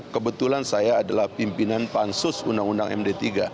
kebetulan saya adalah pimpinan pansus undang undang md tiga